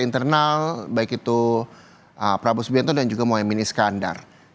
internal baik itu prabowo subianto dan juga mohaimin iskandar